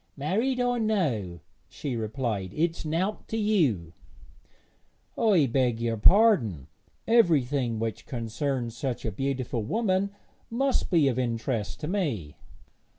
'Married or no,' she replied, 'it's nowt to you.' 'I beg your pardon; everything which concerns such a beautiful woman must be of interest to me.'